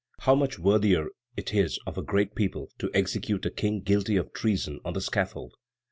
How much worthier it is of a great people to execute a king guilty of treason on the scaffold!"